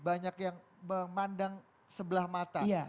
banyak yang memandang sebelah mata